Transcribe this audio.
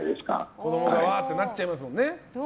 子供がわーってなっちゃいますもんね。